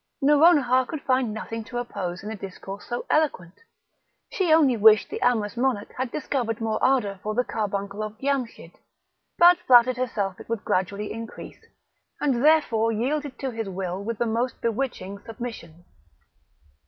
Nouronihar could find nothing to oppose in a discourse so eloquent; she only wished the amorous monarch had discovered more ardour for the carbuncle of Giamschid; but flattered herself it would gradually increase, and therefore yielded to his will with the most bewitching submission.